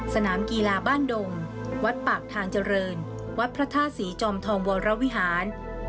สนามกีฬาบ้านดงวัดปากทางเจริญวัดพระธาตุศรีจอมทองวรวิหาร